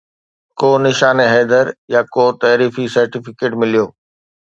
ڪو نشان حيدر يا ڪو تعريفي سرٽيفڪيٽ مليو